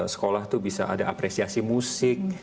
sekolah tuh bisa ada apresiasi musik